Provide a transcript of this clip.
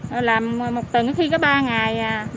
rồi làm một tuần khi có ba ngày à